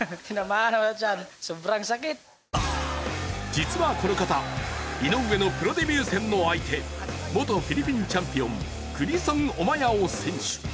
実はこの方、井上のプロデビュー戦の相手元フィリピンチャンピオンクリソンオマヤオ選手。